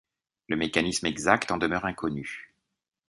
Le mécanisme exact en demeure inconnu.